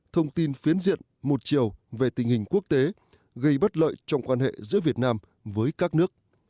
thông tin phiến diện một chiều về tình hình quốc tế gây bất lợi trong quan hệ giữa việt nam với các nước